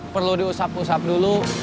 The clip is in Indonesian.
perlu diusap usap dulu